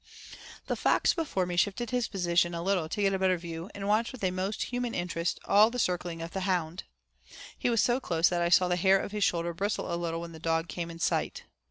The fox before me shifted his position a little to get a better view and watched with a most human interest all the circling of the hound. He was so close that I saw the hair of his shoulder bristle a little when the dog came in sight.